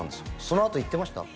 そのあと言ってました？